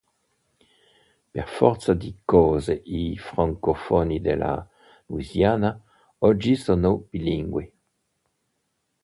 Per forza di cose i francofoni della Louisiana oggi sono bilingui.